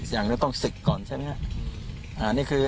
อย่างนี้ต้องศึกก่อนใช่ไหมครับ